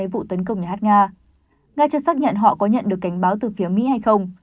vụ tấn công nhà hát nga nga chưa xác nhận họ có nhận được cảnh báo từ phía mỹ hay không